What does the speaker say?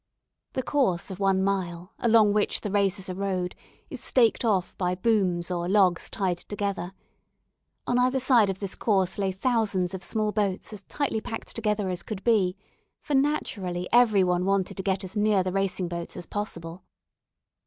The course of one mile, along which the races are rowed, is "staked off" by "booms" or logs tied together. On either side of this course lay thousands of small boats as tightly packed together as could be, for naturally every one wanted to get as near the racing boats as possible.